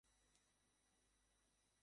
ও আমাকে পর্যন্ত চিনতে পারত না।